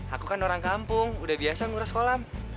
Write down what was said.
aku kan orang kampung udah biasa ngurus kolam